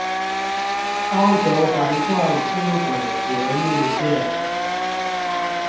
高雄環狀輕軌捷運線